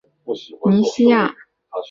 密克罗尼西亚。